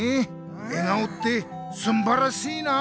笑顔ってすんばらしいな！